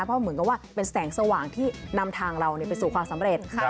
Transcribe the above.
เพราะเหมือนกับว่าเป็นแสงสว่างที่นำทางเราไปสู่ความสำเร็จ